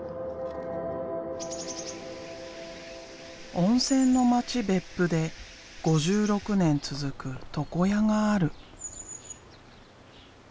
温泉の町別府で５６年続く床屋がある。